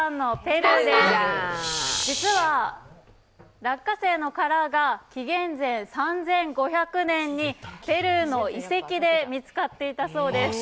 実は、落花生の殻が紀元前３５００年に、ペルーの遺跡で見つかっていたそうです。